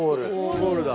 ゴールだ。